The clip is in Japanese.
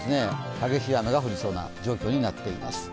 激しい雨が降りそうな状況になっています。